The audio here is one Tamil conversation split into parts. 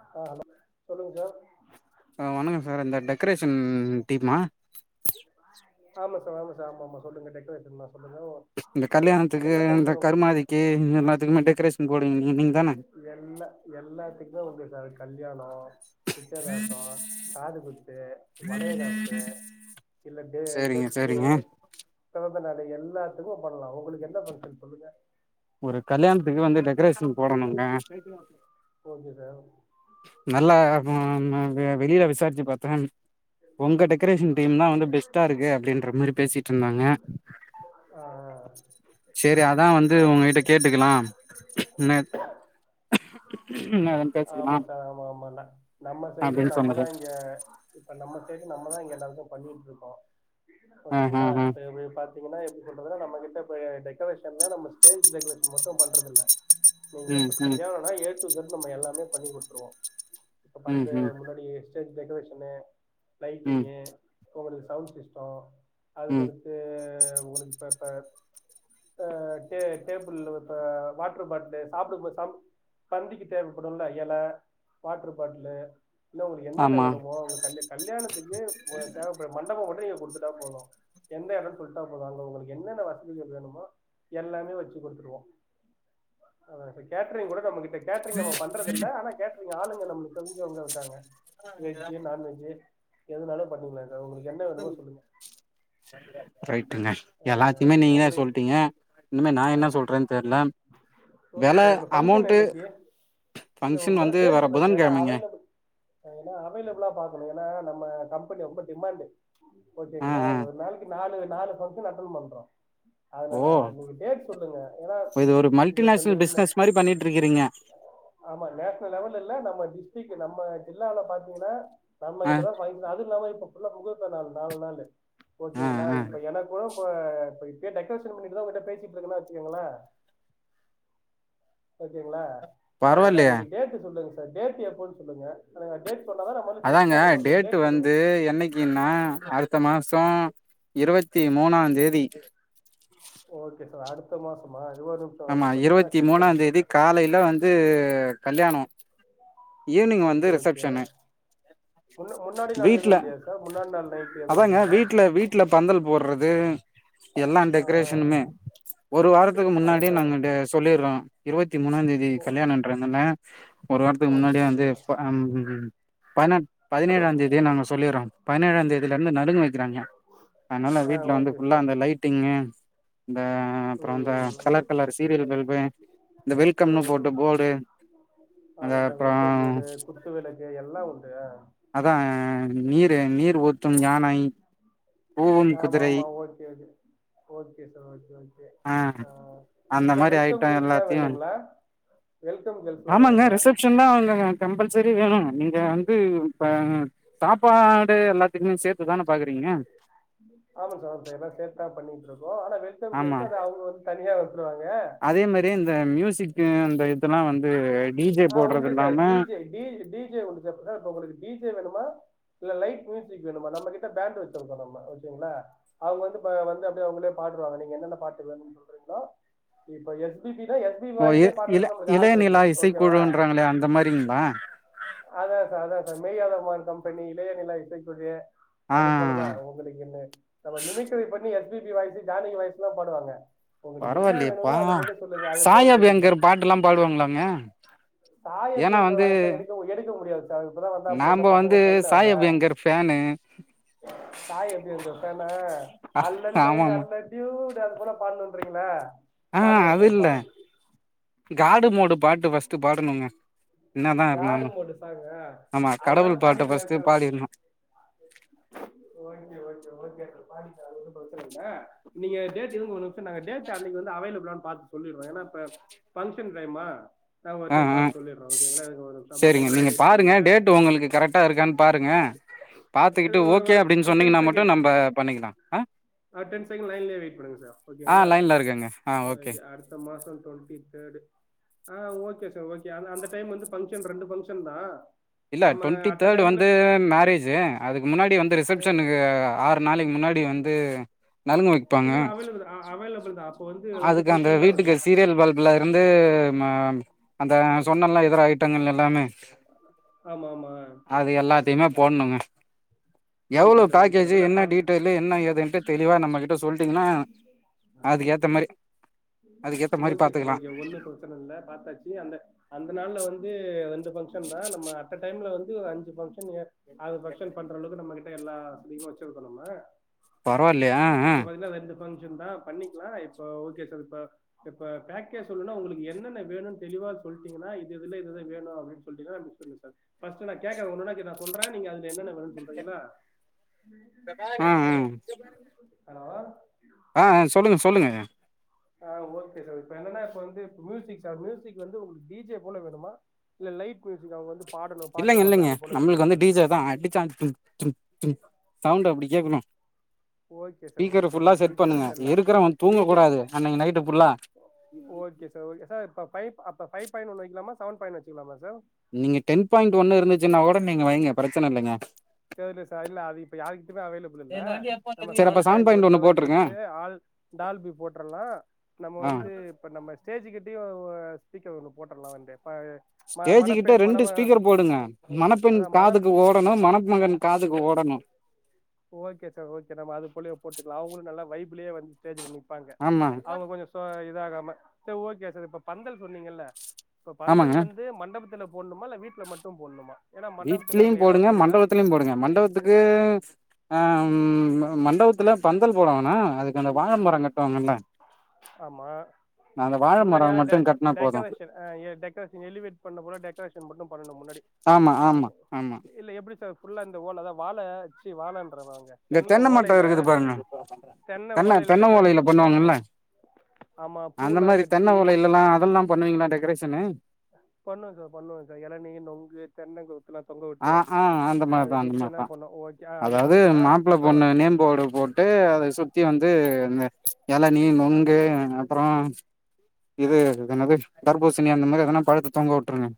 ஆ ஹலோ சொல்லுங்க ஆ வணக்க சார் இந்த டெக்கரேஷன் டீமா ஆமா சார் ஆமா சார் ஆமா ஆமா சொல்லுங்க டெக்கரேஷன் தா சொல்லுங்க ஓ, இந்த என்ன கல்யாணத்துக்கு என்ன இந்த கருமாதிக்கி இந்த மாதிரி டெக்ரேஷ் எல்ல எல்லாத்துக்மே உண்டு சார் கல்யாணோ நிச்சயதார்த்தோ காதுகுத்து வளைய காப்பு இல்ல டே சேரிங்க டெத்து சேரிங்க [unintelligible] [unintelligible] எல்லாத்துக்கு பண்ணலா ஒங்களுக்கென்ன ஃபங்ஷன் சொல்லுங்க ஒரு கல்யாண்த்துக்கு வந்து டெக்கரேஷன் போடணுங்க [inaudible] ஓகே சார் நல்லா ம் ம் வெ வெளியில விசாரிச்சு பாத்தன் ஒங்க டெக்கரேஷன் டீம் தா வந்து பெஸ்டாருக்கு அப்டின்ற மாரி பேசிட்ருந்தாங்க ஆ சேரி அதா வந் து ஆம் உங்ககிட்ட கேட்டுக்குலாம் நெ ஆமா சார் ஆமா ஆமால்ல நம்ம சைடு அப்படின்னு சொன்னது நம்மதா இங்கே இப்ப நம்ம சைடு நம்மதா இங்கேல்லாருக்கு ப பண்ணிட்ருக்கோ ஆ ஆ ஓகேங்களா ஆ இப்ப எபுடி பா தீங்கன்னா எப்டி சொல்றதுனா நம்ம கிட்ட இப்ப டெக்கரேஷன்ல நம்ம ஸ்டேஜ் டெக்ரேஷன் மட்டு பண்றதில்ல நீங்க ம் இப்ப ம் கல்யாணோனா ஏட் நம்ம எல்லாமே பண்ணி குடுத்துருவோ இப்ப ம் பந்து ம் முன்னாடி ஸ்டேஜ் டெக்கரேஷனு ம் லைட்டிங்கு ஒங்களுக்கு சவுண்ட் சிஸ்டோ ம் அதுக்கடுத்து ஒங்களுக் பாப்ப ஆ டே டேபுள் இப்ப வாட்ரு பாட்லு சாப்புட்போ சாப் பந்திக்கு தேவப்படுல்ல எல வாட்ரு பாட்லு இல்ல ஒங்ளுக் என்னென்ன ஆமா வேணுமோ உங்க கல்ய கல்யாணத்துக்கு ஒ தேவைப்பட் மண்டபோ மட்டு நீங்க குடுத்துட்டா போது எந்த எடோ சொல்ட்டா போது அங்க ஒங்களுக் என்னென்ன வசதிகள் வேணுமோ எல்லாமே வச்சு குடுத்துருவோ அ இப்ப கேட்டரிங் கூட [inaudible] நம்மகிட் இந்த கேட்ரி்ங் நம்ம பண்றதில்ல ஆனா கேட் இங்க‌ ஆளுங்க நம்ளுக் தெருஞ்சவங்கருக்காங்க வெஜ்ஜு நான்வெஜ்ஜு எதுனாலு [unintelligible] ரைட்டுங்க எல்லாத்தைமே நீங்களே உங்களுக்கு சொல்ட்டீங்க இனிமே நா என்ன சொல்றேன் தெர்ல வெல அமௌண்ட்டு ஏ இல்ல ஃபங்க்ஷன் மொத வந்து டேட் வர சொல்லுங்க சார் இல்ல புதன்கெழமைங்க அவைலபுள் ஏனா அவைலப்ளா பாக்கணு ஏனா நம்ம கம்பெனி ரொம்ப டிமாண்டு ஆ ஓகேங்ளா ஆ ஒரு நாளைக்கு நாலு நாலு பங்க்ஷன் அட்டன் பண்றோ ஓ அதனா நீங்க டேட் சொல்லுங்க ஏனா இது ஒரு இங்க இப்பந்து மல்டிநேஷ்னல் என்ன பிசினஸ் மாரி பண்ணிட்ருக்கிறீங்க ஆமா நேஷ்னல் லெவல்ல இல்ல நம்ம டிஸ்ட்ரிக் இங்க நம்ம ஜில்லால பாத்தீங்கனா நம்ம ஆ கிட்டதா பயங் அது இல்லாம ப்ப ஃபுல்லா முகூர்த்த நாளு நாலு நாளு ஆ போச்சுங்களா ஆ இப்ப எனக்கூட இப்ப இப்ப இப்பயே டெக்ரேஷன் பண்ணிட்டுதா ஒங்கட்ட பேசிட்டு இருக்கனா வெச்சுக்கங்களே ஓகேங்ளா அதனால பரவாயில்லையே இன்னைக்கி டேட்டு சொல்லுங் ந்த டேட்டு எப்போன் சொல்லுங்க அதுவா டேட் சொன்னாதான் நம்ம வந்து செக் அதாங்க பண்ணணும் நீங்க டேட்டு டேட் சொல்லுங்க வந்து என்னக்கினா அடுத்த மாசோம் இருவத்தி மூனாந் தேதி ஓக்கே சார் அடுத்த மாசமா இது ஒரு நிமிஷம் ஆமா வெயிட் பண்ணுங்க நான் இருவத்தி செக் மூணாந் பண்ணிட்டு தேதி சொல்றேன் காலைல வந்து கல்யாணோ ஈவ்னிங் வந்து ஓகே ஓகே ரிசப்ஷனு முன்ன முன்னாடி நாள் வீட்ல எதுவும் இல்லையா சார் முன்னாடி நாள் நைட் எதுவும் அதாங்க இல்லைங்களா வீட்ல வீட்ல பந்தல் போட்றது எல்லா ஆ, டெக்ரேஷனுமே ஒரு வாரத்துக்கு முன்னா அதா டியே சார் உங்கள்ட்ட சொல்லிர்றோ இருவத் தி மூணாந் தேதி கல்யாணன்றனால ஒரு வாரத்துக்கு ஓகே முன்னாடியே ஓகே வந்து அ ம் பண பதினேழாந் தேதியே நாங்க சொல்லிர்றோ பதினேழாந் தேதில இருந்து நழுங்கு வெக்கிறாங்க அதனால ஆ வீட்ல வந்து ஓகே ஃபுல்லா சார் அந்த லைட்டிங்கு இந்த அப்ற அந்த ம் ம் கலர் கலர் சீரியல் பல்ப்பு இந்த ம் வெல்கம்னு போட்டு ம் போர்டு அது ஆமா சார் அப்றோ வெல்கம் போர்டு குத்து விளக்கு எல்லா உண்டு ஆ அதா நீரு நீர் ஊத்தும் யானை கூவும் ஆமா குதிரை ஆமா okay okay okay sir okay okay ஆ அந்த சார் மாரி ஐட்ட வெல்கம் கேர்ள்ஸ்லா எல்லாத்தயு வேணுங்களா வெல்கம் கேர்ள்ஸ்லா ஆமாங்க வேணுங்களா ரிசப்ஷன்னா அவங்க கம்பல்சரி வேணு நீங்க வந்து இப்ப உம் தாப்பாடு எல்லாத்துக்குமே சேத் ஆமன் சார் இப்ப எல்லா சேத்தா பண்ணிட்டு இருக் ஓ ஆனா வெல்கம் ஆமா கேர்ள்ஸு அந்த அவ்ங்க வந்து தனியா வத்துருவாங்க ம் அந்த இதெல்லா வந்து டி ஜே ஆஹ் போடுறது உண்டு சார் இல்லாம டி ஜே டீஜ் டி ஜே உண்டு சார் சார் இப்ப ஒங்களுக்கு டி ஜே வேணுமா இல்ல லைட் மியூசிக் வேணுமா நம்ம கிட்ட பேண்டு வெச்சிருக்கோ நம்ம ஓகேங்ளா அவுங்க வந்து வந்து அப்டியே பாடிர்வாங்க நீங்க என்னென்ன பாட்டு வேணுன் சொல்றிங்ளோ இப்ப எஸ் பி பி னா எஸ் பி வாய்ஸ்லயே பாடறதுக்கு நம்மளுக்கு ஆள்ருக்கு குழுன்றாங்ளே அந்த மாரிங்ளா அதா சார் மேயாத மான் கம்பெனி இளைய நிலா இசை குழு ஆ அது போலதா உங்களுக் இந்த நம்ம மிமிக்ரி பண்ணி எஸ் பி இ வயசு ஜானகி வயசுலா பாடுவாங்க உங்களுக்கு என்ன வேணுமோ பரவாயில்லையேப்பா அதை மட்டும் சாயப் அபியங்கர் பாட்டு எல்லா பாடுவாங்களா சாயப் அபியங்கர் வயுசுலா எடுக்கவு எடுக்க முடியாது சார் இப்பதா வந்தா அப்புல என்ன நாம பசங்க வந்து ட்ரெயின் ஆவல சாயபயங்கர் ஃபேனு சாய் அபியங்கர் தான அல்லஅல்லலே ஆமாமா அல்லா லூ அது போல பாடனுன்றீங்களா ஆ அது இல்ல காடு மோடு பா காடு இருந்தாலு மோடு சாங்கா ஆமா அதுல்லா கடவுள் பாட்ட பாடிர்லா ஃபர்ஸ்ட்டு சார் பாடிர்ணு ஓகே ஓகே ஓகே டு பாடிட்ட அது ஒன்னு பிரச்சனை இல்ல நீங்க டேட் எது ஒன்னு சர் நாங்க டேட்டு அன்னைக்கு வந்து அவைலபிலான் பாத்து சொல்லிர்றோ ஏனா இப்ப பங்க்ஷன் டைமா நா ஒரு ஆ டைம் ஆ பாத்து சொல்லிர்றோ ஓகேங்ளா ஒரு நிமிஷ அப்டே சேரிங்க லைன்லயே நீங்க வெயிட் பாருங்க பண்ணுங்க டேட் உங்களுக்கு கரெக்டா இருக்கான்னு பாருங்க பாத்துக்கிட்டு ஓகே அப்டின்னு ஆ டென் சொன்னீங்கன்னா மட்டு செகண்ட் நம்ப பண்ணிக்கலா ஆ டென் செகண்ட் லைன்லயே வெயிட் பண்ணுங்க சார் ஆ ஓகேங்ளா லைன்ல இருக்கேங்க ஆ ஓகே அடுத்த மாச டொண்ட்டி தேர்டு ஆ ஓகே சார் ஓகே அது அந்த டைம் வந்து ஃபங்க்ஷன் ரெண்டு ஃபங்க்ஷன் தா இல்ல டொண்ட்டி தேர்டு வந்து மேரேஜு அதுக்கு முன்னாடி வந்து ரிசப்ஷனுக்கு ஆறு நாளைக்கு முன்னாடி வந்து நலுங்கு வைப்பாங்க இல்லல்ல அவைலபில் ஆ அவைலபில்தா அதுக்கு அந்த வீட்டுக்கு சீரியல் பல்ப்ல இருந்து நம்ம அந்த சொன்னன்ல இதர ஐட்டங்கள் எல்லாமே ஆமா ஆமா அது எல்லாத்தையுமே போடணுங்க ஓகே எவ்ளோ சார் ஓகே பேக்கேஜு சார் இல்ல என்ன பாத்து டீட்டெய்லு என்ன ஏதுன்ட்டு தெளிவா நம்மகிட்ட சொல்ட்டிங்கனா அதுக்கே ஓகே சார் ஓகே ஒன்னு பிரச்சனை இல்ல பாத்தாச்சு அந்த அந்த நாள்ல வந்து வந் ரெண்டு ஃபங்க்ஷன்தா நம்ம அட் அ டைம்ல வந்து து ஒரு அஞ்சு ஃபங்ஷன் ஏ ஆறு ஃபங்ஷன் பண்ற அளவுக்கு நம்ம கிட் ட எல்லாத்தையு வெச்சுருக்கோ நம்ம பரவாலியே ஆ ஆ க்ஷன்தா பண்ணிக்லா இப்ப ஓகே சார் இப்ப இப்ப பேக்கே சொல்லனுனா உங்களுக்கு என்னென்ன வேணுன் தெளிவா சொல்ட்டிங்கனா இது இதுல இதுது வேணு அப்டின் சொல்ட்டிங்கனா நா மிஸ் பண்ணிவ சார் ஃபஸ்ட்டு நா கேக்கற ஒன்னொன்னா கே நா சொல்ற நீங்க அதுல என்னென்ன வேணுன்னு சொல்றிங்களா ம் ம் ஹலோ ஆ அ சொல்லுங்க சொல்லுங்க ஆ ஓகே சார் இப்ப என்னன்னா இப்ப வந்து மியூசிக் சார் மியூசிக் வந்து உங்களுக்கு டிஜே போல வேணுமா இல்ல லைட்மியூசிக் அங்க வந் இல்லைங்க இல்லைங்க நம்ளுக்கு வந்து டீ ஜே தா அடிச்சா டும் டும் சவுண்ட் அப்படி கேக்கணும் okay sir okay sir D J வச்சர்லா இருக்கிறவன் தூங்க டி ஜே கூடாது அன்னைக்கு நைட்டு ஃபுல்லா ஓகே சார் ஓகே இப்ப பை அப்ப ஃபைவ் பாயிண்ட் ஒன் வைக்லாமா செவன் பாயிண்ட் வச்சுக்லாமா சார் நீங்க டென் பாயிண்ட் ஒன்னு இருந்துச்சுன்னா கூட நீங்க வைங்க பிரச்சன இல்லங்க லே சா ல்ல அது இப்ப யாருகிட்டமே அவைலபிள் ல்ல நாம சரி அப்ப செவன் பாயிண்ட் ஒன் ஒன்னு செவன் போட்ருங்க திங்ஸு ஆல் டால் பி போட்ர்லா நம்ம ஆ வந்து ப்ப நம்ம ஸ்டேஜ் ப்படியோ ஸ்பீக்கர் ஒன்னு போட்டர்லான்ட்டு ஸ்டேஜ் கிட்ட ரெண்டு ஸ்பீக்கர் போடுங்க மணப்பெண் அதான் மண காதுக்கு ஓடணு மண மகன் காதுக்கு ஓடணு ஓகே சார் ஓகே நம்ம அது போலிய போட்டுக்லா அவங்களு நல்லா வை துலயே வந்துட்டு நீங் ப்பாங்க ஆமா அவுங்க கொஞ்சம் சோ இதாகாம சர் ஓகே சார் இப்ப பந்தல் சொன்னீங்கல்ல இப்ப பந்தல் ஆமாங்க வந்து மண்டபத்துல போடுணுமா இல்ல வீட்ல மட்டும் போடுணுமா வீட்லயும் போடுங்க மண்டபத்துலயும் போடுங்க மண்டபத்துக்கு ஆம் மண்டபத்துல பந்தல் போட வேணா அதுக் அ ஆமா அந்த வாழ முன்னாடியா மரம் இந்த மட்டு கட்னா போது டெக்கரேஷன் அ டெக்கரேஷன் எலிவேட் பண்ண போல டெக்கரேஷன் மட்டும் ஆமா ஆமா ஆமா இல்ல எப்டி சார் ஃபுல்லா இந்த ஓல தா வாழ சீ வாழ இந்த தென்ன மட்ட இருக்குது பாருங்க தென்ன தென்ன ஓலையில டெக்கரேஷன் பண்ணுவோ ஆமா பண்ணுவாங்கல்ல ஆமா அந்த பூல்லா மாதிரி கட்டி தென்ன ஓலைலலாம் அதெல்லாம் பண்ணுவீங்களா டெகரேஷன் [unintelligible] பண்ணுவே சார் பண்ணுவே சார் எளநி நொங்கு தென்னங் ஆஹ் ஆஹ் அந்த மாரிதா அந்த மாரிதா பண்ணு ஓகே அது அதாவது பண்ணிக்கலா மாப்பிள்ள இப்ப பொண்ணு நேம்போர்டு போட்டு அத சு வந்து எளநீ நொங்கு ங்கே அப்ற இது என்னது தர்பூசணி அந்த மாரி எதனா பழத் தொங்க உட்ருங்க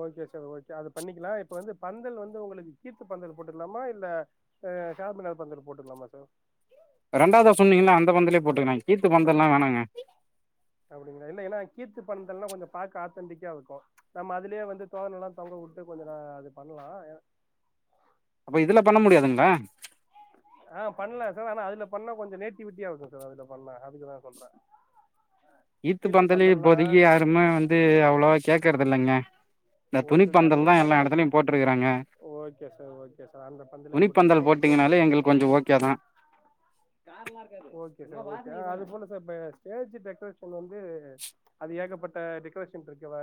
ஓகே சார் ஓகே அது பண்ணிக்லா இப்ப வந்து பந்தல் வந்து உங்களுக்கு கீத்து பந்தல் போட்டுக்கலாமா இல்ல ஆ சாம்யானா பந்தல் போட்டுக்கலாமா சார் ரெண்டாவதா சொன்னீங்கன்னா அந்த பந்தலே போட்ருங்க கீத்து பந்தல்லா வேணாங்க அப்படிங்களா இல்லலை ஏன்னா கீர்த்து பணதல்ன்னாம் கொஞ்சம் பார்க்க ஆத்தன்ண்டிக்கா இருக்கும் நம்ம அதுலயே வந்து தோதண எல்லாம் தங்க விட்டு கொஞ்சம் ந அது பண்ணலாம் ஏ அப்ப இதுல பண்ண முடியாதுங்களா? ஆஹ் பண்ணல சார். ஆனா அதுல பண்ண கொஞ்சம் நெட்டிவிட்டியா இருக்கும் சார் அதுல பண்ண அதுக்குதான் சொல்றேன். ஈத்து பந்தலி போதக்கி யாருமே வந்து அவ்வளவா கேக் இருக்குறத இல்லங்க. [inaudible] உண்ம தா ஓகே சார் ஓகே சார் அந்த பந்லே துணிப்பந்தல் போட்டுக்கலாம் ஒன்னும் போட்டீங்கனாலே பிரச்சனல்ல எங்களுக்கு கொஞ்சோ ஓகே தா ஓகே சார் ஓகே சார் ஆங் அதுபோல ஸ்டேஜ் டெக்ரேஷன் வந்து அது ஏகப்பட்ட டெக்கரேஷன் இருக்க ஆ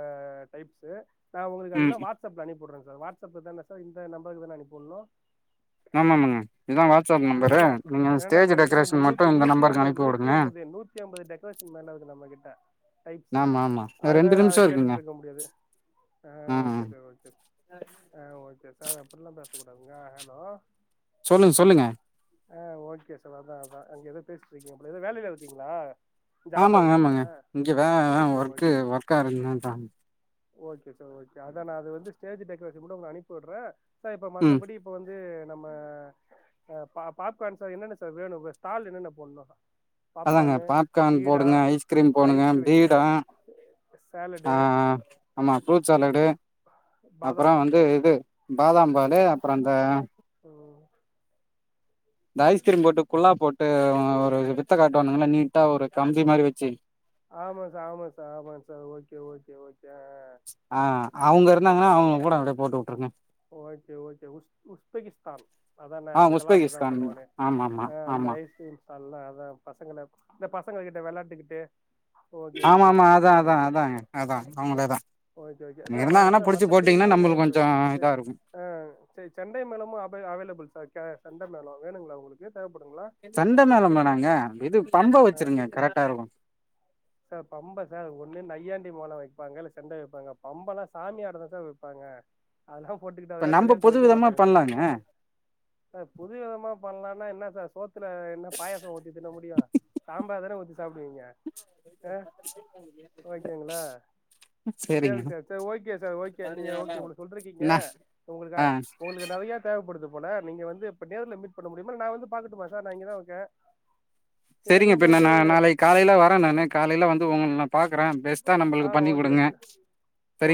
டைப்ஸ்ு நான் உங்குளுக்கு ம் அதெலாம் வாட்சப்ல அனுப்பிவிறங்க சார் வாட்ஸ்அப்ல தானே சார் இந்த நம்பருக்கு தானே அனுப்பிவிணும்? ஆமா ஆமாங்க இல்ல ஏன்னா ஏனன்னா நம்மகிட்ட ஒரு டெக்கரேஷன் மட்டு முன்னூத்தி இந்த நூத்தி நம்பருக்கு எஐம்பது அனுப்பி நூத்தி வுடுங்க எஐம்பது நூத்தி ஐம்பது டெக்கரேஷன் மேல இருக்கு நம்ம கிட்ட ச டைப்ஸூ ஆமா ஆமா ரெண்டு அதுலாம் நிமிஷோ கேட்டுட்டு இருக்குங்க இருக்க முடியாது ஹ ஆ ஆ ஓகே சார் ஓகே சார் ஆங் ஓகே சார் அப்புல்லாம் பே டாங்க ஹலோ சொல்லுங்க சொல்லுங்க ஆஹ் ஓகே சார் அதான் அதான் அங்க ஏதோ பேசிட்டு இருக்கீங்க போல ஏதோ வேலையா இருக்கீங்களா? ஜாப்ல ஆமாங்க ஆமாங்க இருக்கீங்களா இங்க வே ஓகே ஒர்க்கு ஓகே ஒர்க்கா இருந்த தா ஓகே சார் ஓகே அதான் நான் அதுந்து ஸ்டேஜ் டெக்கரேஷன் கூட உங்க அனுப்பிடுறன் சார் இப்போ ம் மற்றபடி இப்போ வந்து நம்ம அஹ் பாபார்ன் சார் என்னென்ன சார் வேணும்? ஸ்டால் என்னென்ன சார் போடணும்? அதாங்க பாப்கார்ன் போடுங்க, ஐஸ்கிரீம் போடுங்க, ஐஸ்கிரீமு பீடா சேலடு ஆஹ் ஆமா ஃப்ரூட் சாலடு பாதாம் அப்புறம் வந்து பாலு இது பாதாம் பாலு அப்புறம் அந்த ம் இந்த ஐஸ்கிரீம் போட்டு குள்ளா போட்டு ஒரு வித்த காட்ட வந்தங்கா நீட்டா ஒரு கம்பி மாரி வச்சி ஆமா சார் ஆமா சார் ஆமா சார் ஓகே ஓகே ஓகே ஆஹ் அவங்க இருந்தாங்கன்னா அவங்க கூட அப்டியே போட்டு விட்டுருங்க. ஓகே ஓகே உஸ்பெகிஸ்தான் அதான ஆ அங்கெல்லாம் அப்படிதான் உஸ்பெகிஸ்தான் பண்ணுவானேஹ் ஆமா ஆமா அந்த ஆமா ஐஸ்ரிம் அதல்லாம் அதான் பசங்களை இந்த பசங்க கிட்ட விளையாட்டுக்கிட்டு ஆமா ஆமா அதான் அதான் அதான் போட்டுக்கலா அதான் அவங்களேதான்.. ஓகே ஓகே ங்க இருந்தாங்கன்னா புடிச்சு போட்டீங்கன்னா நம்மளுக்கு கொஞ்சம் ஆஹ ச செண்டை மேலமும் அவ அவைலபிள் சார் கே சண்டை மேலம் வேணுங்களா உங்களுக்கு? தேவப்படுங்களா சண்டை மேள போனாங்க இது பம்ப ஆ வச்சிருங்க. கரெக்டா இருக்கும். சார் பம்ப சார் ஒன்னுன்னு நைய்யாண்டி மோலம் வைப்பாங்க இல்ல சென்ட வைப்பாங்க பம்ப எல்லாம் சாமிிய ஆடு தான் சார் வைப்பாங்க அதெல்லாம் போட்டுக்கிட்டு இப்ப அதல்லாம் நம்ம கல்யாணத்துக்கு புது வைக்க விதமா மாட்டாங்க பண்லாங்க சார் புது விதமா பண்ணலா என்ன சார் சோத்துல என்ன பாயசம் ஊத்தி தின்ன முடியும் சாம்பார் தான ஊத்தி நீ சாப்டு நீங்க அ ஓகேங்ளா சேரிங்க சேரி சார் சேர் ஓகே சார் ஓகே நீங்க ஓகே ஒன்னு சொல்ருக்கீங்க நா உங்களுக்கா ஆ உங்குளுக் நெறயா தேவப்படுது போல நீங்க வந்து இப்ப நேர்ல மீட் பண்ண முடியுமா இல்ல நா வந்து பாகட்டுமா சார் நா இங்கதா இருக்க செரிங்க பின்ன நா நாளைக் காலைல வர நானூ காலைல வந்து உன் உனக் பாக்கற பெஸ்ட்டா நம்புளுக்கு ஆ பண்ணி ஓகே குடுங்க ஓகே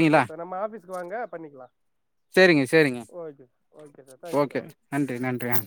ஓகே சார் நம்ம ஆஃபீஸ்க்கு வாங்க பண்ணிக்கலா சேரிங்க சேரிங்க okay okay sir thank you sir okay நன்றி நன்றி அ